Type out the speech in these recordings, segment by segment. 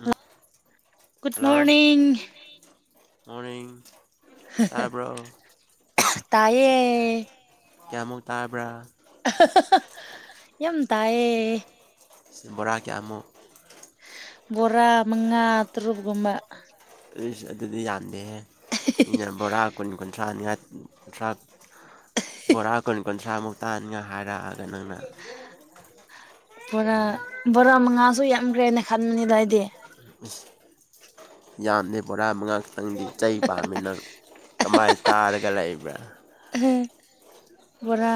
ꯎꯝ good hello morning morning ꯇꯥꯕ꯭ꯔꯣ ꯇꯌꯦ ꯀꯌꯥꯃꯨꯛ ꯇꯥꯕ꯭ꯔꯥ ꯌꯝ ꯇꯥꯌꯦ ꯕꯣꯔꯥ ꯀꯌꯥꯃꯨꯛ ꯕꯣꯔꯥ ꯃꯉꯥ ꯇꯔꯨꯕꯒꯨꯝꯕ ꯑꯗꯨꯗꯤ ꯌꯥꯝꯗꯦꯍꯦ ꯃꯤꯅ ꯕꯣꯔꯥ ꯀꯨꯟ ꯀꯨꯟꯊ꯭ꯔꯥꯅꯤꯉ ꯀꯨꯟꯊ꯭ꯔꯥ ꯕꯣꯔꯥ ꯀꯨꯟ ꯀꯨꯟꯊ꯭ꯔꯥꯃꯨꯛ ꯇꯥꯅꯤꯒ ꯍꯥꯏꯔꯛꯑꯒ ꯅꯪꯅ ꯕꯣꯔꯥ ꯕꯣꯔꯥ ꯃꯉꯥꯁꯨ ꯌꯥꯝꯈ꯭ꯔꯦꯅ ꯈꯟꯕꯅꯤꯗ ꯍꯥꯏꯗꯤ ꯑꯁ ꯌꯥꯝꯗ ꯕꯣꯔꯥ ꯃꯉꯥꯛꯇꯪꯗꯤ ꯆꯩ ꯄꯥꯝꯃꯤ ꯅꯪ ꯀꯃꯥꯏꯅ ꯇꯥꯔꯒ ꯂꯩꯕ꯭ꯔꯥ ꯍꯝ ꯕꯣꯔꯥ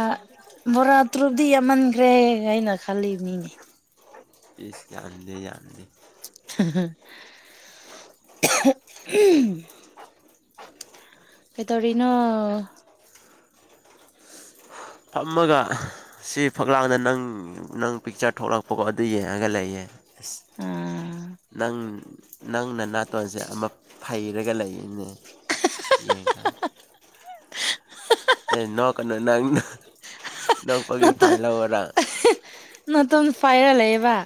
ꯕꯣꯔꯥ ꯇ꯭ꯔꯨꯞꯗꯤ ꯌꯥꯝꯃꯟꯈ꯭ꯔꯦ ꯀꯅ ꯈꯜꯂꯤ ꯃꯤꯅꯦ ꯏꯁꯤꯁ ꯌꯥꯗꯦ ꯌꯥꯗꯦ [inaudible] ꯀꯩꯇꯥꯔꯤꯅ ꯐꯝꯃꯒ ꯁꯤ ꯐꯛꯂꯛꯗ ꯅꯪ ꯅꯪ ꯄꯤꯛꯆꯔ ꯊꯣꯛꯂꯛꯄꯀꯣ ꯑꯗꯨ ꯌꯦꯡꯉꯒ ꯂꯩꯌꯦ ꯑꯦꯁ ꯎꯝ ꯅꯪ ꯅꯪꯅ ꯅꯥꯇꯣꯟꯁꯦ ꯑꯃ ꯐꯩꯔꯒ ꯂꯩꯅꯦ ꯌꯦꯡꯀꯥꯟꯗ ꯑꯦ ꯅꯣꯛ ꯀꯩꯅꯣ ꯅꯪ ꯅꯣꯛꯄꯒꯤ ꯐꯥꯏꯜ ꯂꯧꯔ ꯅꯠꯇꯣ ꯐꯥꯏꯔ ꯂꯩꯦꯕ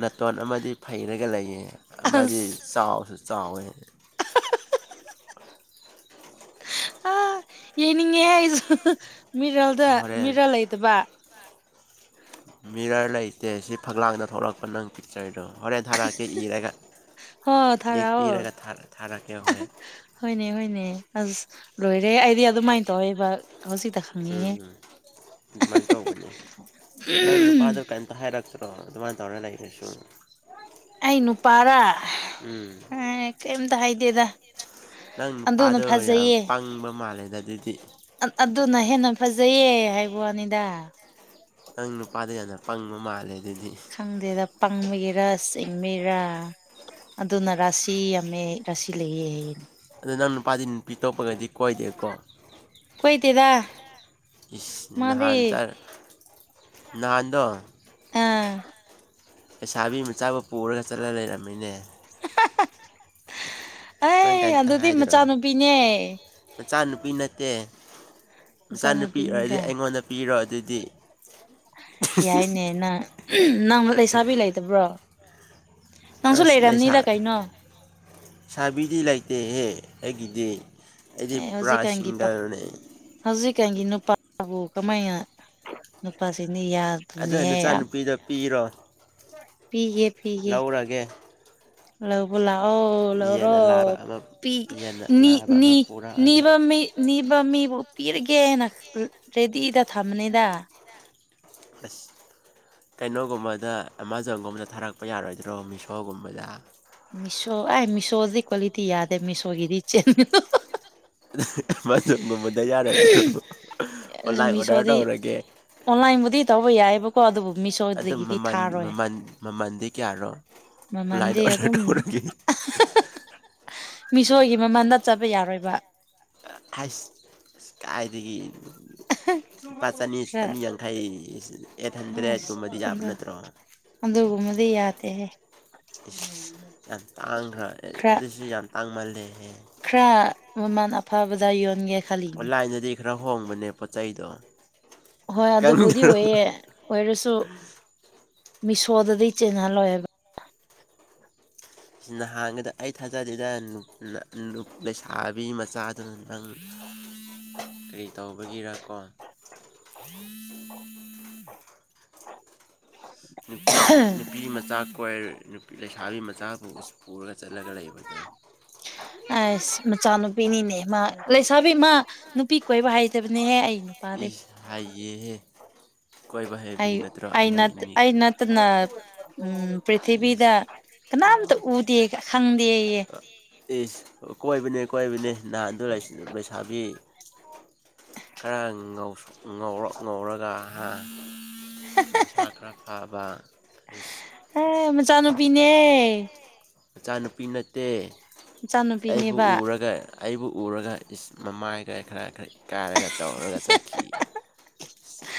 ꯅꯥꯇꯣꯟ ꯑꯃꯗꯤ ꯐꯩꯔꯒ ꯂꯩꯌꯦ ꯑꯃꯗꯤ ꯑꯁ ꯆꯥꯎꯁꯨ ꯆꯥꯎꯋꯦ [unintelligible] ꯑ ꯌꯦꯡꯅꯤꯡꯉꯦ ꯑꯩꯁꯨ ꯃꯤꯔꯜꯗ ꯍꯣꯔꯦꯟ ꯃꯤꯔꯜ ꯂꯩꯗꯕ ꯃꯤꯔꯔ ꯂꯩꯇꯦ ꯁꯤ ꯐꯛꯂꯥꯡꯗ ꯊꯣꯛꯂꯛꯄ ꯅꯪ ꯄꯤꯛꯆꯔꯗꯣ ꯍꯣꯔꯦꯟ ꯊꯥꯔꯛꯑꯀꯦ ꯏꯔꯒ ꯍꯣ ꯌꯦꯦꯛ ꯊꯥꯔꯛꯑꯣ ꯄꯤꯔꯒ ꯊꯥꯔꯛꯀꯦ ꯍꯣꯔꯦꯟ ꯍꯣꯏꯅꯦ ꯍꯣꯏꯅꯦ ꯑꯁ ꯂꯣꯏꯔꯦ ꯑꯩꯗꯤ ꯑꯗꯨꯃꯥꯏꯅ ꯇꯧꯋꯦꯕ ꯍꯧꯖꯤꯛꯇꯛꯇ ꯎꯝꯝ ꯑꯗꯨꯃꯥꯏꯅ ꯇꯧꯕꯅꯦ ꯅꯪ ꯎꯝ ꯅꯨꯄꯥꯗꯨ ꯀꯩꯝꯇ ꯍꯥꯏꯔꯛꯀ ꯑ ꯑꯗꯨꯃꯥꯏ ꯔ ꯂꯁꯨꯨꯝ ꯑꯩ ꯅꯨꯄꯥꯔꯥ ꯎꯝ ꯑꯩꯝ ꯊ ꯍꯥꯏ ꯍꯥꯏꯗꯦꯗ ꯅꯪ ꯑꯗꯨꯅ ꯅꯨꯄꯥꯗꯣ ꯌꯥꯝ ꯐꯖꯩꯌꯦ ꯄꯪꯕ ꯃꯥꯜꯂꯦꯗ ꯑꯗꯨꯗꯤ ꯑꯗꯨꯅ ꯍꯦꯟꯅ ꯐꯖꯩꯌꯦ ꯍꯥꯏꯕ ꯋꯥꯅꯤꯗ ꯅꯪ ꯅꯨꯄꯥꯗ ꯌꯥꯝꯅ ꯄꯪꯕ ꯃꯥꯜꯂꯦ ꯑꯗꯨꯗꯤ ꯈꯪꯗꯦꯗ ꯄꯪꯕꯒꯤꯔꯥ ꯁꯤꯡꯃꯤꯔꯥ ꯑꯗꯨꯅ ꯔꯥꯁꯤ ꯌꯥꯝꯃꯦ ꯔꯥꯁꯤ ꯂꯩꯌꯦ ꯌꯦ ꯑꯗꯨ ꯅꯪ ꯅꯨꯄꯥꯗꯤ ꯅꯨꯄꯤ ꯑꯇꯣꯞꯄꯒꯗꯤ ꯀꯣꯏꯗꯦꯀꯣ ꯀꯣꯏꯗꯦꯗ ꯏꯁ ꯅꯍꯥꯟ ꯃꯥꯗꯤ ꯆꯔ ꯅꯍꯥꯟꯗꯣ ꯑꯥ ꯂꯩꯁꯥꯕꯤ ꯃꯆꯥ ꯑꯃ ꯄꯨꯔꯒ ꯆꯠꯂ ꯂꯩꯔꯝꯃꯤꯅꯦ [unintelligible] ꯅꯪ ꯑꯩ ꯀꯩꯝꯇ ꯑꯗꯨꯗꯤ ꯍꯥꯏꯗ꯭ꯔꯣ ꯃꯆꯥꯅꯨꯄꯤꯅꯦ ꯃꯆꯥꯅꯨꯄꯤ ꯅꯠꯇꯦ ꯃꯆꯥꯅꯨꯄꯤ ꯑꯣꯏꯔꯗꯤ ꯃꯆꯥꯅꯨꯄꯤꯅꯤꯗ ꯑꯩꯉꯣꯟꯗ ꯄꯤꯔꯣ ꯑꯗꯨꯗꯤ ꯌꯥꯏꯅꯦ ꯅꯪ ꯅꯪ ꯂꯩꯁꯥꯕꯤ ꯂꯩꯇꯕ꯭ꯔꯣ ꯅꯪꯁꯨ ꯂꯩꯔꯝꯅꯤꯗ ꯀꯩꯅꯣ ꯁꯥꯕꯤꯗꯤ ꯂꯩꯇꯦꯍꯦ ꯑꯩꯒꯤꯗꯤ ꯑꯩꯗꯤ ꯑꯦ ꯄꯨꯔꯥ ꯍꯧꯖꯤꯛꯀꯥꯟꯒꯤ ꯁꯤꯡꯒꯜꯅꯦ ꯍꯧꯖꯤꯛꯀꯥꯟꯒꯤ ꯅꯨꯄꯥꯕꯨ ꯀꯃꯥꯏꯅ ꯅꯨꯄꯥꯁꯤꯅ ꯌꯥ ꯑꯗꯨ ꯅꯆꯥꯅꯨꯄꯤꯗ ꯄꯤꯔꯣ ꯄꯤꯒꯦ ꯂꯧꯔꯒꯦ ꯂꯧ ꯂꯧꯔꯣ ꯂꯥꯛꯑꯣ ꯂꯧꯔꯣ ꯌꯦꯟꯅ ꯂꯥꯕ ꯑꯃ ꯄꯤ ꯌꯦꯟꯅ ꯅꯔ ꯂꯥꯕ ꯅꯤ ꯑꯃ ꯄꯨꯔꯛꯑꯒꯦ ꯅꯤꯕ ꯃꯤ ꯅꯤꯕ ꯃꯤꯕꯨ ꯄꯤꯔꯒꯦꯅ ꯔꯦꯗꯤꯗ ꯊꯝꯃꯅꯤꯗ ꯑꯁ ꯀꯩꯅꯣꯒꯨꯝꯕꯗ ꯑꯦꯃꯥꯖꯣꯟꯒꯨꯝꯕꯗ ꯊꯥꯔꯛꯄ ꯌꯥꯔꯣꯏꯗ꯭ꯔꯣ ꯃꯤꯁꯣꯒꯨꯝꯕꯗ ꯃꯤꯁꯣ ꯑꯩ ꯃꯤꯁꯣꯁꯤ ꯀ꯭ꯋꯥꯂꯤꯇꯤ ꯌꯥꯗꯦ ꯃꯤꯁꯣꯒꯤꯗꯤ ꯆꯦꯟꯒꯅꯨ ꯃꯥꯁꯨ ꯃꯃꯟꯗ ꯌꯥꯔꯣꯏꯗ꯭ꯔꯣ ꯑꯣꯟꯂꯥꯏꯟ ꯑꯣꯔꯗꯔ ꯃꯤꯁꯣꯗꯤ ꯇꯧꯔꯒꯦ ꯑꯣꯟꯂꯥꯏꯟꯕꯨꯗꯤ ꯇꯧꯕ ꯌꯥꯏꯕ ꯀꯣ ꯑꯗꯨꯕꯨ ꯑꯗꯨ ꯃꯤꯁꯣꯏꯗꯒꯤꯗꯤ ꯃꯃꯜ ꯊꯥꯔꯣꯏ ꯃꯃꯜ ꯃꯃꯜꯗꯤ ꯀꯌꯥꯔꯣ [inaudible] ꯑꯣꯟꯂꯥꯏꯟꯗ ꯃꯃꯟꯗꯤꯦ ꯑꯣꯔꯗꯔ ꯎꯝ ꯇꯧꯔꯒꯦ [unintelligible] ꯃꯤꯁꯣꯏꯒꯤ ꯃꯃꯜꯗ ꯆꯠꯄ ꯌꯥꯔꯣꯏꯕ ꯑꯁ ꯀꯥꯏꯗꯒꯤ ꯑ ꯂꯨꯄꯥ ꯆꯅꯤ ꯈꯔ ꯆꯅꯤ ꯌꯥꯡꯈꯩ ꯑꯩꯠ ꯑꯁ ꯍꯟꯗ꯭ꯔꯦꯠꯀꯨꯝꯕꯗꯤ ꯌꯥꯕ ꯅꯠꯇ꯭ꯔꯣ ꯑꯗꯨ ꯒꯨꯝꯕꯗꯤ ꯌꯥꯗꯦ ꯍꯦ ꯏꯁꯁ ꯌꯥꯝ ꯇꯥꯡꯈ꯭ꯔ ꯈꯔ ꯑꯗꯨꯁꯨ ꯌꯥꯝ ꯇꯥꯡꯃꯜꯂꯦꯍꯦ ꯈꯔ ꯃꯃꯟ ꯑꯐꯕꯗ ꯌꯣꯟꯒꯦ ꯈꯜꯂꯤꯅꯦ ꯑꯣꯟꯂꯥꯏꯟꯗꯗꯤ ꯈꯔ ꯍꯣꯡꯕꯅꯦ ꯄꯣꯠ ꯆꯩꯗꯣ ꯍꯣꯏ ꯑꯗꯨꯕꯨꯗꯤ ꯈꯪꯗ꯭ꯔꯣ ꯑꯣꯏꯌꯦꯦ ꯑꯣꯏꯔꯁꯨ ꯃꯤꯁꯣꯗꯗꯤ ꯆꯦꯟꯍꯜꯂꯣꯏꯕ ꯅꯍꯥꯟꯒꯗ ꯑꯩ ꯊꯥꯖꯗꯦꯗ ꯂꯩꯁꯥꯕꯤ ꯃꯆꯥꯗꯨꯅ ꯅꯪ [unintelligible] ꯀꯔꯤ ꯇꯧꯕꯒꯤꯔ ꯀꯣ ꯅꯨꯄꯤ ꯅꯨꯄꯤ ꯃꯆꯥ ꯍꯣꯏ ꯅꯨꯄꯤ ꯂꯩꯁꯥꯕꯤ ꯃꯆꯥꯕꯨ ꯄꯨꯔꯒ ꯆꯠꯂꯒ ꯂꯩꯕꯗ ꯑꯁ ꯃꯆꯥꯅꯨꯄꯤꯅꯤꯅꯦ ꯃꯥ ꯂꯩꯁꯥꯕꯤ ꯃꯥ ꯅꯨꯄꯤ ꯀꯣꯏꯕ ꯍꯩꯇꯕꯅꯤꯍꯦ ꯑꯩ ꯅꯨꯄꯥꯗꯤ ꯏꯁ ꯍꯥꯏꯌꯦꯍꯦ ꯀꯣꯏꯕ ꯍꯩꯕꯒꯤ ꯅꯠꯇ꯭ꯔꯣ ꯑꯅꯤ ꯑꯅꯤ ꯑꯗꯨꯅ ꯎꯝ ꯄ꯭ꯔꯤꯊꯤꯕꯤꯗ ꯏꯁ ꯀꯅꯥꯝꯇ ꯎꯗꯦ ꯈꯪꯗꯦꯌꯦ ꯏꯁ ꯀꯣꯏꯕꯅꯦ ꯀꯣꯏꯕꯅꯦ ꯅꯍꯥꯟꯗ ꯂꯩꯁꯥꯕꯤ ꯈꯔ ꯉꯥꯎꯁ ꯉꯧꯔꯛ ꯉꯧꯔꯒ ꯍꯥ ꯃꯁꯥ ꯈꯔ ꯐꯕ [unintelligible] ꯍꯦ ꯃꯆꯥꯅꯨꯄꯤꯅꯦ ꯃꯆꯥꯅꯨꯄꯤ ꯅꯠꯇꯦ ꯑꯩꯕꯨ ꯃꯆꯥꯅꯨꯄꯤꯅꯦꯕ ꯎꯔꯒ ꯑꯩꯕꯨ ꯎꯔꯒ ꯏꯁ ꯃꯃꯥꯏꯒ ꯈꯔ ꯈꯔ ꯀꯥꯏꯔꯒ ꯇꯧꯔꯒ ꯆꯠꯈꯤ [unintelligible]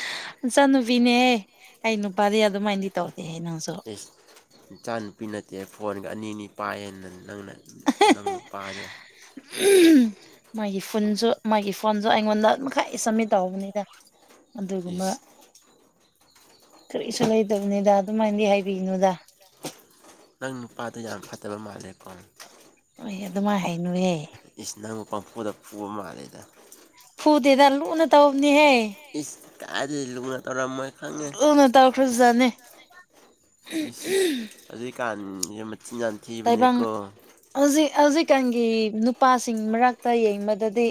ꯏꯆꯥꯟꯅꯨꯄꯤꯅꯦꯍꯦ ꯑꯩ ꯅꯨꯄꯥꯗꯤ ꯑꯗꯨꯃꯥꯏꯅꯗꯤ ꯇꯧꯗꯦꯍꯦ ꯅꯪꯁꯨ ꯑꯦꯁ ꯏꯆꯥ ꯅꯨꯨꯄꯤ ꯅꯠꯇꯦ ꯐꯣꯟꯒ ꯑꯅꯤ ꯑꯅꯤ ꯄꯥꯏꯑꯦꯅ ꯅꯪꯅ ꯅꯪ ꯅꯨꯄꯥꯗꯣ ꯃꯥꯒꯤ ꯐꯨꯟꯁꯨ ꯃꯥꯒꯤ ꯐꯣꯟꯁꯨ ꯑꯩꯉꯣꯟꯗꯝꯥꯏ ꯁꯝꯃꯤꯠ ꯇꯧꯍꯧꯕꯅꯤꯗ ꯑꯗꯒꯃ ꯏꯁ ꯀꯔꯤꯁꯨ ꯂꯩꯇꯕꯅꯤꯗ ꯑꯗꯨꯃꯥꯏꯅꯗꯤ ꯍꯥꯏꯕꯤꯅꯨꯗ ꯅꯪ ꯅꯨꯄꯥꯗꯣ ꯌꯥꯝ ꯐꯠꯇꯕ ꯃꯥꯜꯂꯦꯀꯣ ꯍ ꯑꯗꯨꯃꯥꯏꯅ ꯍꯥꯏꯅꯨꯑꯦ ꯏꯁ ꯅꯪꯕꯨ ꯄꯝꯐꯨꯗ ꯄꯨꯕ ꯃꯥꯜꯂꯦꯗ ꯐꯨꯗꯦꯗ ꯂꯨꯅ ꯇꯧꯕꯅꯤꯍꯦ ꯏꯁ ꯀ ꯂꯨꯉ ꯇꯔ ꯃꯣꯏ ꯎꯅ ꯇꯧꯈꯁꯨꯖꯅꯦ ꯏꯁ ꯑꯗꯨꯏ ꯀꯥꯟꯁ ꯃꯆꯤꯟꯖꯟ ꯇꯥꯏꯕꯪ ꯍꯧꯖꯤꯛ ꯍꯧꯖꯤꯛꯀꯥꯟꯒꯤ ꯅꯨꯄꯥꯁꯤꯡ ꯃꯔꯛꯇ ꯌꯦꯡꯕꯗꯗꯤ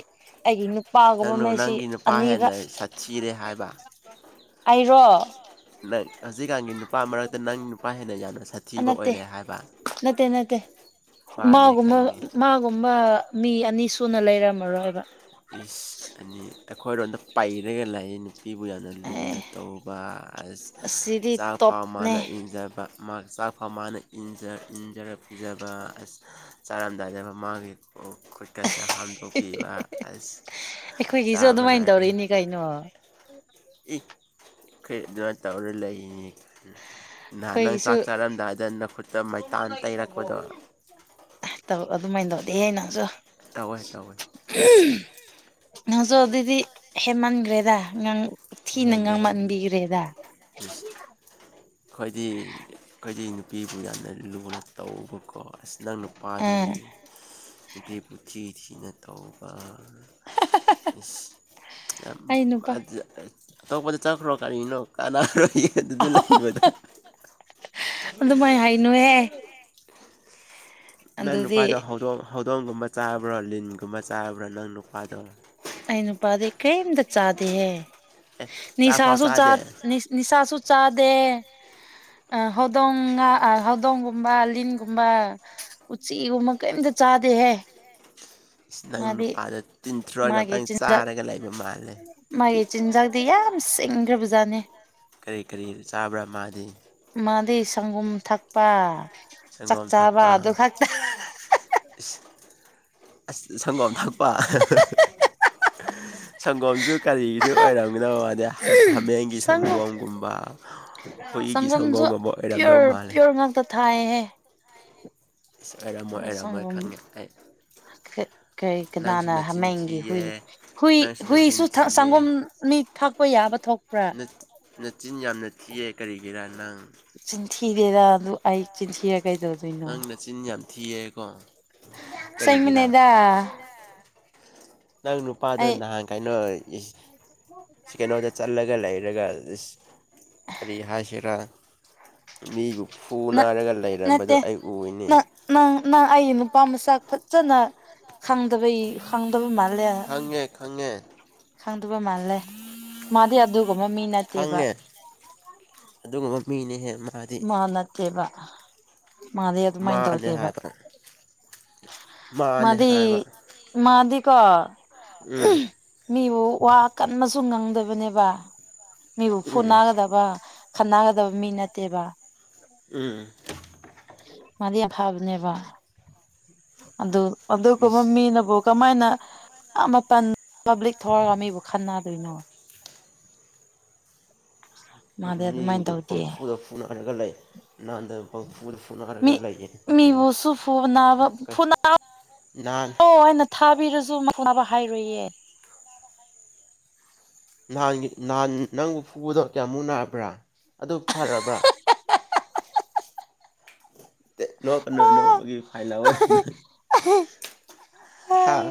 ꯑꯩꯒꯤ ꯄꯥꯒꯨꯝꯕ ꯅꯪꯅ ꯃꯩꯁꯤ ꯅꯪꯒꯤ ꯅꯨꯄꯥ ꯑꯅꯤꯔ ꯍꯦꯟꯅ ꯁꯥꯊꯤꯔꯦ ꯍꯥꯏꯕ ꯑꯩꯔꯣ ꯅꯪ ꯍꯧꯖꯤꯛꯀꯥꯟꯒꯤ ꯅꯨꯄꯥ ꯃꯔꯛꯇ ꯅꯪ ꯅꯨꯄꯥ ꯍꯦꯟꯅ ꯌꯥꯝꯅ ꯁꯥꯊꯤꯕ ꯅꯠꯇꯦ ꯑꯣꯏꯔꯦ ꯍꯥꯏꯕ ꯅꯠꯇꯦ ꯅꯠꯇꯦ ꯃꯥꯅꯦ ꯃꯥꯒꯨꯝꯕ ꯈꯪꯉꯦ ꯃꯥꯒꯨꯝꯕ ꯃꯤ ꯑꯅꯤ ꯁꯨꯅ ꯂꯩꯔꯝꯃꯔꯣꯏꯕ ꯏꯁ ꯑꯅꯤ ꯑꯩꯈꯣꯏꯔꯣꯝꯗ ꯄꯩꯔꯒ ꯂꯩꯅꯤ ꯅꯨ ꯐꯤꯕꯨ ꯌꯥꯝꯅ ꯑꯦ ꯂꯨꯅ ꯇꯧꯕ ꯑ ꯑꯁꯤꯗꯤ ꯆꯥꯛ ꯐꯥꯎ ꯇꯣꯞꯅꯦ ꯃꯥꯅ ꯏꯟꯖꯕ ꯃꯥ ꯆꯥꯛ ꯐ ꯃꯥꯅ ꯏꯟꯖꯔ ꯄꯤꯖꯕ ꯑ ꯆꯥꯔꯝꯗꯥꯏꯗꯕ ꯃꯥꯒꯤ ꯈꯨꯠꯀꯁꯦ ꯍꯥꯝꯗꯣꯛꯄꯤꯕ ꯑꯁ ꯑꯩꯈꯣꯏꯒꯤꯁꯨ ꯆꯥꯕ ꯑꯗꯨꯃꯥꯏꯅ ꯂꯣꯏꯔꯦ ꯇꯧꯔꯤꯛꯅꯤ ꯀꯩꯅꯣ ꯏ ꯀꯩ ꯑꯗꯨꯃꯥꯏꯅ ꯇꯧꯔ ꯂꯩꯌꯦꯅꯦ ꯅꯍꯥꯟ ꯅꯪ ꯑꯩꯈꯣꯏꯒꯤꯁꯨ ꯆꯥꯛ ꯆꯥꯔꯝꯗꯥꯏꯗ ꯅꯈꯨꯠꯇ ꯃꯩꯇꯥꯟ ꯇꯩꯔꯛꯄꯗꯣ ꯇꯧ ꯑꯗꯨꯃꯥꯏꯅ ꯇꯧꯗꯤ ꯅꯪꯁꯨ ꯇꯧꯋꯦ ꯇꯧꯋꯦ ꯉꯖꯤꯛ ꯑꯗꯨꯏꯗꯤ ꯍꯦꯃꯟꯒ꯭ꯔꯦꯗ ꯉꯥꯡ ꯊꯤꯅ ꯍꯦꯟꯗꯦ ꯍꯦꯟꯗꯦ ꯉꯥꯡꯃꯟꯕꯤꯈ꯭ꯔꯦꯗ ꯏꯁ ꯑꯩꯈꯣꯏꯗꯤ ꯑꯩꯈꯣꯏꯗꯤ ꯅꯨꯄꯤꯕꯨ ꯌꯥꯝꯅ ꯂꯨꯅ ꯇꯧꯕꯀꯣ ꯑꯁ ꯅꯪ ꯅꯨꯄꯥꯗꯤ ꯑꯥ ꯅꯨꯄꯤꯕꯨ ꯊꯤ ꯊꯤꯅ ꯇꯧꯕ [unintelligible] ꯑꯩ ꯅꯨꯄꯥ ꯑꯇꯣꯞꯄꯗ ꯆꯠꯈ꯭ꯔꯣ ꯀꯔꯤꯅꯣ ꯀꯥꯅꯥꯔꯣ ꯑꯗꯨꯗ ꯂꯩꯕꯗꯣ ꯑꯗꯨꯃꯥꯏ ꯍꯥꯏꯅꯨꯍꯦ ꯅꯪ ꯑꯗꯨꯗꯤ ꯅꯨꯄꯥꯗꯣ ꯍꯧꯗꯣꯡ ꯍꯧꯗꯣꯡꯒꯨꯝꯕ ꯆꯥꯕ꯭ꯔꯣ ꯂꯤꯟꯒꯨꯝꯕ ꯆꯥꯕ꯭ꯔꯣ ꯅꯪ ꯅꯨꯄꯥꯗꯣ ꯑ ꯅꯨꯄꯥꯥꯗ ꯀꯩꯝꯇ ꯆꯥꯗꯦꯍꯦ ꯑꯦ ꯆꯥꯛꯐꯥꯎ ꯅꯤꯁꯥꯁꯨ ꯆꯥ ꯆꯥꯗꯦ ꯅꯤꯁꯥꯁꯨ ꯆꯥꯗꯦ ꯑ ꯍꯧꯗꯣꯡ ꯍꯧꯗꯣꯡꯒꯨꯝꯕ ꯂꯤꯟꯒꯨꯝꯕ ꯎꯆꯤꯒꯨꯝꯕ ꯀꯩꯝꯇ ꯆꯥꯗꯦꯍꯦ ꯅꯪ ꯃꯥꯗꯤ ꯅꯨꯄꯥꯗꯣ ꯇꯤꯟꯊꯣꯔ ꯃꯥꯒꯤ ꯉꯥꯛꯇꯪ ꯆꯤꯟ ꯆꯥꯔꯒ ꯂꯩꯕ ꯃꯥꯜꯂꯦꯗꯤ ꯗꯤ ꯌꯥꯝ ꯁꯤꯡꯈ꯭ꯔ ꯖꯥꯠꯅꯦ ꯀꯔꯤ ꯀꯔꯤ ꯆꯥꯕ꯭ꯔꯥ ꯃꯥꯗꯤ ꯃꯥꯗꯤ ꯁꯪꯒꯣꯝ ꯊꯛꯄ ꯁꯪꯒꯣꯝ ꯆꯥꯛꯆꯥꯥꯕ ꯊꯛꯄ ꯑꯗꯨ ꯈꯛꯇ ꯑꯁ ꯁꯪꯒꯣꯝ ꯊꯥꯛꯄ [unintelligible] ꯁꯪꯒꯣꯝꯁꯨ ꯀꯔꯤꯁꯨ ꯑꯣꯏꯔꯝꯒꯅꯣ ꯍꯥꯏꯗꯤ ꯍꯥꯃꯦꯡꯒꯤ ꯁꯪꯒꯣꯝ ꯁꯪꯒꯣꯝꯒꯨꯝꯕ ꯍꯨꯏꯒꯤ ꯁꯪꯒꯣꯝ ꯑꯃꯐ ꯑꯣꯏꯔꯝꯗꯧ ꯃꯥꯜꯂꯦ ꯊꯥꯏꯦ ꯑ ꯑꯣꯏꯔꯝꯃꯣꯏ ꯑꯣꯏꯔꯝꯃꯣꯏ ꯈꯪꯉꯦ ꯑꯩ ꯀꯔꯤ ꯅꯪꯁꯨ ꯀꯅꯥꯅ ꯅꯆꯤꯟ ꯍꯥꯃꯦꯡꯒꯤꯦ ꯍꯨꯏ ꯊꯤꯌꯦ ꯍꯨꯏ ꯅꯪꯁꯨ ꯅꯆꯤꯟ ꯍꯨꯏꯁꯨ ꯊꯤꯌꯦ ꯁꯪꯒꯣꯝꯅꯤ ꯊꯛꯄ ꯌꯥꯕ ꯊꯣꯛꯄ꯭ꯔꯥ ꯅꯠ ꯅꯆꯤꯟ ꯌꯥꯝꯅ ꯊꯤꯛꯌꯦ ꯀꯔꯤꯒꯤꯔꯥ ꯅꯪ ꯆꯤꯟꯊꯤꯔꯦꯔꯥ ꯑꯗꯨ ꯑꯩ ꯆꯤꯟꯊꯤꯔ ꯀꯩꯗꯧꯗꯣꯏꯅꯣ ꯃꯆꯤꯟ ꯌꯥꯝ ꯊꯤꯌꯦ ꯀꯣ ꯑꯁꯦꯡꯕꯅꯦꯗ ꯅꯪ ꯅꯨꯄꯥꯗꯣ ꯑꯩ ꯅꯍꯥꯟ ꯀꯩꯅꯣ ꯁꯤ ꯀꯩꯅꯣꯗ ꯆꯠꯂꯒ ꯂꯩꯔꯒ ꯀꯔꯤ ꯍꯥꯏꯁꯤꯔꯥ ꯃꯤꯕꯨ ꯐꯨꯅꯔꯒ ꯂꯩꯔꯝꯕꯗꯨ ꯅꯠꯇꯦ ꯑꯩ ꯎꯅꯤ ꯅꯪ ꯅꯪ ꯅꯪ ꯑꯩ ꯅꯨꯄꯥ ꯃꯁꯛ ꯐꯖꯅ ꯈꯪꯗꯕꯩ ꯈꯪꯗꯕꯩ ꯃꯥꯜꯂꯦ ꯈꯪꯉꯦ ꯈꯪꯉꯦ ꯈꯪꯗꯕ ꯃꯥꯜꯂꯦ ꯃꯥꯗꯤ ꯑꯗꯨꯒꯨꯝꯕ ꯃꯤ ꯅꯠꯇ ꯍꯪꯉꯦ ꯑꯗꯨꯒꯨꯝꯕ ꯃꯤꯅꯤꯍꯦ ꯃꯥ ꯃꯥ ꯅꯠꯇꯦꯕ ꯃꯥꯗꯤ ꯑꯗꯨꯃꯥꯏꯅ ꯃꯥꯅꯦ ꯇꯧꯗꯦꯕ ꯍꯥꯏꯕ ꯃꯥꯅꯦ ꯃꯗꯤ ꯍꯥꯏꯕ ꯃꯥꯗꯤꯀꯣ ꯎꯝ ꯃꯤꯕꯨ ꯋꯥ ꯀꯟꯅꯁꯨ ꯉꯥꯡꯗꯕꯅꯦꯕ ꯃꯤꯕꯨ ꯐꯨ ꯎꯝ ꯅꯥꯒꯗꯕ ꯈꯠꯅꯒꯗꯕ ꯃꯤ ꯅꯠꯇꯦꯕ ꯎꯝ ꯃꯥꯗꯤ ꯌꯥꯝ ꯐꯕꯅꯦꯕ ꯑꯗꯨ ꯑꯗꯨꯒꯨꯝꯕ ꯏꯁ ꯃꯤꯅꯕꯨ ꯀꯃꯥꯏꯅ ꯃꯇꯝ ꯄꯕ꯭ꯂꯤꯛ ꯊꯣꯛꯔꯒ ꯃꯤꯕꯨ ꯈꯅꯗꯣꯏꯅꯣ ꯎ ꯃꯤ ꯄꯪꯐꯨꯗ ꯐꯨꯅꯔꯒ ꯂꯩ ꯅꯍꯥꯟꯗ ꯄꯪꯐꯨꯗ ꯐꯨꯅꯔꯒ ꯃꯤ ꯂꯩꯌꯦ ꯃꯤꯕꯨꯁꯨ ꯐꯨꯅꯕ ꯐꯨꯅꯕ ꯅꯍꯟ ꯑꯩꯅ ꯊꯥꯕꯤꯔꯁꯨ ꯃꯅ ꯍꯥꯏꯔꯣꯏꯌꯦ ꯅꯍꯥꯟꯒꯤ ꯅꯍꯥꯟ ꯅꯪꯕꯨ ꯐꯨꯕꯗꯣ ꯀꯌꯥꯃꯨꯛ ꯅꯥꯕ꯭ꯔꯥ ꯑꯗꯨ ꯐꯔꯕ꯭ꯔꯥ ꯅꯣꯛꯀ ꯅꯣ ꯑꯥ ꯅꯣꯛꯕꯒꯤ ꯐꯥꯏꯟ ꯑꯣꯏꯔ ꯍꯥꯥ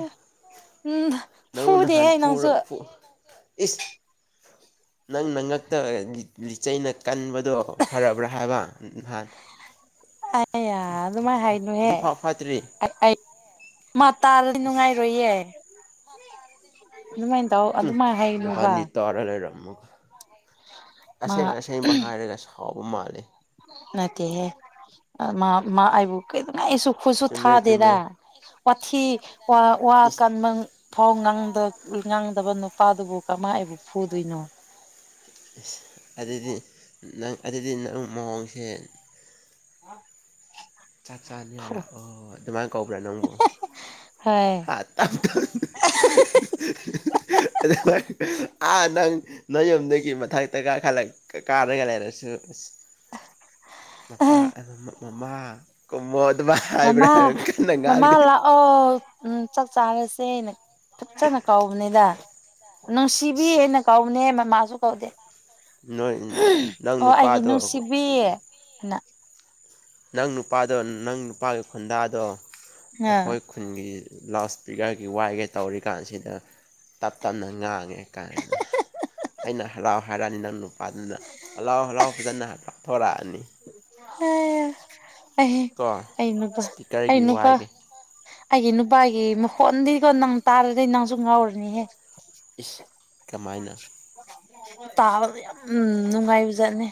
ꯎꯝ ꯅꯪ ꯅꯍꯥꯟ ꯐꯨꯗꯦꯍꯦ ꯅꯪꯁꯨ ꯄꯨꯔꯒ ꯏꯁ ꯅꯪꯅ ꯉꯛꯇ ꯂꯤꯆꯩꯅ ꯀꯟꯕꯗꯣ ꯐꯔꯕ꯭ꯔꯥ ꯍꯥꯏꯕ ꯑ ꯑꯗꯨꯃꯥꯏꯅ ꯍꯥꯏꯅꯨꯍꯦ ꯍꯧꯖꯤꯛꯐꯥꯎ ꯐꯠꯇ꯭ꯔꯤ ꯃꯥ ꯇꯔꯗꯤ ꯏꯁ ꯅꯨꯡꯉꯥꯏꯔꯣꯏꯌꯦ ꯑꯗꯨꯃꯥꯏꯅ ꯇꯧ ꯑꯗꯨꯃꯥꯏꯅ ꯍꯥꯏꯅꯨꯕ ꯇꯧꯔ ꯂꯩꯔꯝꯃꯣ ꯑꯁꯦꯡ ꯃꯥ ꯑꯁꯦꯡꯕ ꯍꯥꯏꯔꯒ ꯁꯥꯎꯕ ꯃꯥꯜꯂꯤ ꯅꯠꯇꯦꯍꯦ ꯃꯥ ꯑꯩꯕꯨ ꯀꯩꯗꯅ ꯑꯩꯁꯨ ꯈꯨꯠꯁꯨ ꯆꯨꯝꯃꯦ ꯆꯨꯝꯃꯦ ꯊꯥꯗꯦꯗ ꯋꯥꯊꯤ ꯋꯥ ꯏꯁ ꯀꯟꯕ ꯐꯧ ꯉꯥꯡꯗꯕ ꯅꯨꯄꯥꯗꯨꯕꯨ ꯀꯃꯥꯏꯅ ꯐꯨꯗꯣꯏꯅꯣ ꯑ ꯑꯗꯨꯗꯤ ꯅꯪ ꯑꯗꯨꯗꯤ ꯅꯪ ꯃꯑꯣꯡꯁꯦ ꯑꯝ ꯆꯥꯛ ꯆꯥꯅꯤ ꯉꯥꯏ ꯂꯥꯛꯑꯣ ꯑꯗꯨꯃꯥꯏꯅ ꯀꯧꯕ꯭ꯔꯥ ꯅꯪꯕꯨ ꯍꯥꯏ ꯑ ꯇꯞ ꯇ ꯑ ꯑ ꯅꯪ [inaudible] ꯅꯣꯏ ꯌꯨꯝꯗꯒꯤ ꯃꯊꯛꯇ ꯀꯥꯈꯠꯂ ꯀꯥꯔꯒ ꯂꯩꯔꯁꯨ ꯑꯁ ꯎꯝ ꯃꯄꯥ ꯃꯃꯥ ꯀꯨꯝꯃꯣ ꯑꯗꯨꯃ ꯍꯥꯏꯕ꯭ꯔꯥ ꯀꯟꯅ ꯉꯥꯡꯗꯦ ꯑꯣ ꯎꯝ ꯆꯥꯛ ꯆꯥꯔꯁꯦꯅꯦ ꯐꯖꯅ ꯀꯥꯎꯕꯅꯤꯗ ꯅꯨꯡꯁꯤꯕꯤ ꯍꯥꯏꯅ ꯀꯧꯕꯅꯦ ꯃꯃꯥꯁꯨ ꯀꯧꯗꯦ ꯅꯣꯏ ꯅꯪ ꯑꯣ ꯑꯩꯒꯤ ꯅꯨꯄꯥꯗꯣ ꯅꯨꯡꯁꯤꯕꯤꯅ ꯅꯪ ꯅꯨꯄꯥꯗꯣ ꯅꯪ ꯅꯨꯄꯥꯒꯤ ꯈꯨꯟꯗꯥꯗꯣ ꯑꯩꯈꯣꯏ ꯈꯨꯟꯒꯤ ꯂꯥꯎꯠ ꯏꯁꯄꯤꯀꯔꯒꯤ ꯋꯥꯏꯒꯦ ꯇꯧꯔꯤꯀꯥꯟꯁꯤꯗ ꯇꯞ ꯇꯞꯅ ꯉꯥꯡꯉꯦ ꯀꯥꯏꯅ ꯑꯩꯅ ꯍꯔꯥꯎ ꯍꯔꯛꯑꯅꯤ ꯅꯪ ꯅ ꯍꯔꯥꯎ ꯍꯔꯥꯎ ꯐꯖꯅ ꯊꯣꯔꯛꯑꯅꯤ ꯑ ꯀꯣ ꯑꯩꯅꯄꯥ ꯏꯁꯄꯤꯀꯔꯒꯤ ꯑꯩꯅꯨꯄꯥ ꯋꯥꯏꯒꯦ ꯑꯩꯒꯤ ꯅꯨꯄꯥꯒꯤ ꯃꯈꯣꯟꯗꯤꯀꯣ ꯅꯪ ꯇꯥꯔꯗꯤꯩ ꯅꯪꯁꯨ ꯉꯥꯎꯔꯅꯤꯍꯦ [unintelligible] ꯇꯥꯕꯗ ꯌꯥꯝ ꯎꯝ ꯅꯨꯡꯉꯥꯏꯕꯖꯥꯠꯅꯦ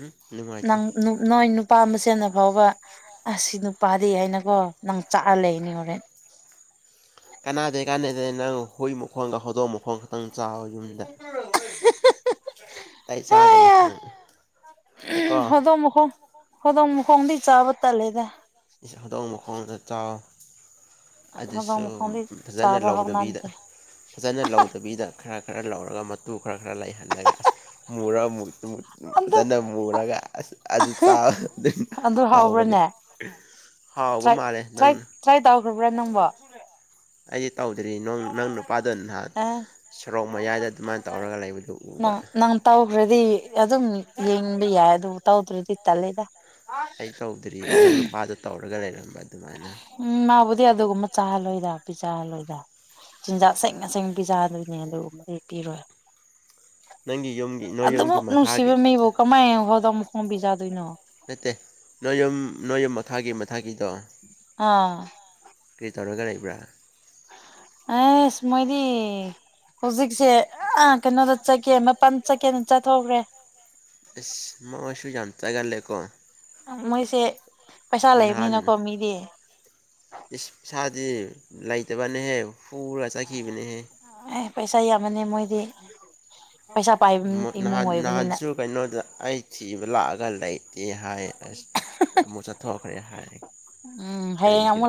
ꯎꯝ ꯅꯨꯡꯉꯥꯏꯇꯦ ꯅꯪ ꯅ ꯏ ꯅꯨꯄꯥꯝꯕꯁꯦꯟꯅ ꯐꯥꯎꯕ ꯑꯁ ꯅꯨꯄꯥꯗꯤ ꯍꯥꯏꯅꯀꯣ ꯅꯪ ꯆꯥꯛꯑ ꯂꯩꯅꯦ ꯍꯣꯔꯦꯟ ꯀꯅꯥꯗꯩ ꯀꯥꯟꯅꯩꯗꯅ ꯅꯪ ꯍꯨꯏ ꯃꯈꯣꯡꯒ ꯍꯧꯗꯣꯡ ꯃꯈꯣꯡ ꯈꯛꯇꯪ ꯆꯥꯎꯋ ꯌꯨꯝꯗ ꯎ ꯇꯥꯏ ꯆꯒꯅ ꯅ ꯀꯣ ꯣ ꯈꯨꯗꯣꯡ ꯃꯈꯣꯡꯗꯤ ꯆꯥꯕ ꯇꯜꯂꯦꯗ ꯍꯧꯗꯣꯡ ꯃꯈꯣꯡꯗ ꯆꯥꯎꯋ ꯍꯧꯗꯣꯡ ꯑꯗꯨꯁꯨ ꯃꯈꯣꯡꯗꯤ ꯐꯖꯅ ꯆꯥꯕ ꯂꯧꯗꯕꯤꯗ ꯍꯧꯅꯗꯦ ꯐꯖꯅ ꯂꯧꯗꯕꯤꯗ ꯈꯔ ꯈꯔ ꯂꯧꯔꯒ ꯃꯇꯨ ꯈꯔ ꯈꯔ ꯂꯩꯍꯜꯂꯒ ꯑꯁ ꯃꯨꯔꯨ ꯑꯗꯨ ꯐꯖꯅ ꯃꯨꯔꯒ ꯑꯁ ꯑꯗꯨ ꯑꯗꯨ ꯑꯗꯨ ꯍꯥꯎꯕꯅꯦ ꯍꯥꯎꯕ꯭ꯔꯅꯦ ꯍꯥꯎꯕ ꯇ꯭ꯔꯥꯏ ꯃꯥꯜꯂꯦ ꯇ꯭ꯔꯥꯏ ꯅꯪꯅ ꯇ꯭ꯔꯥꯏ ꯇꯧꯈ꯭ꯔꯕ꯭ꯔꯥ ꯅꯪꯕꯣ ꯑꯩꯁꯦ ꯇꯧꯗ꯭ꯔꯤ ꯅꯪ ꯅꯨꯄꯥꯗ ꯅꯍꯥꯟ ꯑꯦ ꯁꯣꯔꯣꯛ ꯃꯌꯥꯏꯗ ꯑꯗꯨꯃꯥꯏꯅ ꯇꯧꯔꯒ ꯂꯩꯕꯗꯨ ꯎꯕ ꯅꯪ ꯅꯪ ꯇꯧꯈ꯭ꯔꯗꯤ ꯑꯗꯨꯝ ꯌꯦꯡꯕ ꯌꯥꯏ ꯑꯗꯨꯕꯨ ꯇꯧꯗ꯭ꯔꯗꯤ ꯇꯂꯦꯗ ꯑꯩ ꯇꯧꯗ꯭ꯔꯤ ꯅꯪ ꯅꯨꯄꯥꯗꯣ ꯇꯧꯔꯒ ꯂꯩꯔꯝꯕ ꯑꯗꯨꯃꯥꯏꯅ ꯎꯝ ꯃꯥꯕꯨꯗꯤ ꯑꯗꯨꯒꯨꯝꯕ ꯆꯥꯍꯜꯂꯣꯏꯗ ꯄꯤ ꯆꯥꯍꯜꯂꯣꯏꯗ ꯆꯤꯟꯖꯥꯛ ꯑꯁꯪ ꯑꯁꯦꯡ ꯄꯤꯖꯥꯗꯣꯏꯅꯦ ꯑꯗꯨꯒꯨꯝꯕꯗꯤ ꯄꯤꯔꯣꯏ ꯅꯪꯒꯤ ꯌꯨꯝꯒꯤ ꯅꯣꯏ ꯑꯗꯨꯕꯨ ꯌꯨꯝꯒꯤ ꯃꯈꯥꯒꯤ ꯅꯨꯡꯁꯤꯕ ꯃꯤꯕꯨ ꯀꯃꯥꯏꯅ ꯍꯣꯗ ꯑꯃꯨꯛ ꯈꯣꯡꯝꯕꯤ ꯆꯥꯗꯣꯏꯅꯣ ꯅꯠꯇꯦ ꯅꯣꯏ ꯌꯨꯝ ꯅꯣꯏ ꯌꯨꯝ ꯃꯈꯥꯒꯤ ꯃꯊꯛꯒꯤꯗꯣ ꯑꯥ ꯀꯔꯤ ꯇꯧꯔꯒ ꯂꯩꯕ꯭ꯔꯥ ꯑꯦ ꯏꯁ ꯃꯣꯏꯗꯤ ꯍꯧꯖꯤꯛꯁꯦ ꯑ ꯀꯩꯅꯣꯗ ꯆꯠꯀꯦ ꯃꯄꯥꯟ ꯆꯠꯀꯦꯅ ꯆꯠꯊꯣꯛꯈ꯭ꯔꯦ ꯑꯦꯁ ꯃꯁꯨ ꯌꯥꯝꯇꯒꯔꯂꯦꯀꯣ ꯃꯣꯏꯁꯦ ꯄꯩꯁꯥ ꯅꯍꯥꯟ ꯂꯩꯕꯅꯤꯅꯀꯣ ꯃꯤꯗꯤ ꯏꯁ ꯏꯁꯥꯗꯤ ꯂꯩꯇꯕꯅꯍꯦ ꯍꯨꯔ ꯆꯥꯈꯤꯕꯅꯦꯍꯦ ꯑꯦ ꯄꯩꯁꯥ ꯌꯥꯝꯃꯅꯤ ꯃꯣꯏꯗꯤ ꯄꯩꯁꯥ ꯄꯥꯏꯕ ꯏꯃꯨꯡ ꯅꯍꯥꯟ ꯑꯣꯏꯕꯅꯤꯅ ꯅꯍꯥꯟꯁꯨ ꯀꯩꯅꯣꯗ ꯑꯩ ꯊꯤꯕ ꯂꯥꯛꯑꯒ ꯂꯩꯇꯦ ꯍꯥꯏ ꯑꯁ ꯑꯃꯨꯛ ꯆꯠꯊꯣꯛꯈ꯭ꯔꯦ ꯍꯥꯏ ꯎꯝ ꯍꯌꯦ ꯀꯔꯤꯒꯤꯔ